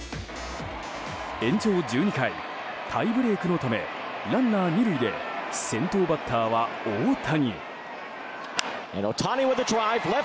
延長１２回、タイブレークのためランナー２塁で先頭バッターは大谷。